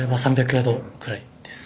３００ヤードぐらいです。